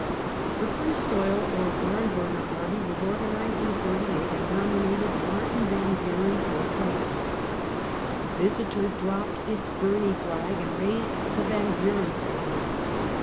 The Eree Soil or Barnburner party was organized in '48, and nominated Martin Yan Buren for President. The Visiter dropped its Birney flag and raised the Yan Buren standard.